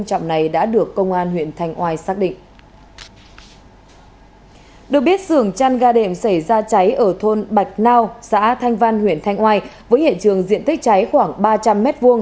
các xưởng chăn ga đệm xảy ra cháy ở thôn bạch nào xã thanh văn huyện thanh oai với hệ trường diện tích cháy khoảng ba trăm linh m hai